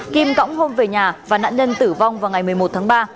kim cõng hôm về nhà và nạn nhân tử vong vào ngày một mươi một tháng ba